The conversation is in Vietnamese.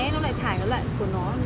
nó lại thải cái loại của nó